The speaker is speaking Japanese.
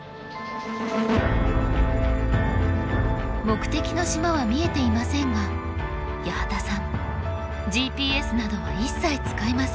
目的の島は見えていませんが八幡さんＧＰＳなどは一切使いません。